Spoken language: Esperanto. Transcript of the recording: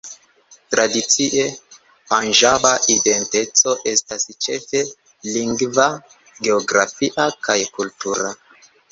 Tradicie, panĝaba identeco estas ĉefe lingva, geografia kaj kultura.